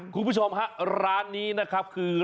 คุณผู้ชมฮะร้านนี้นะครับคือ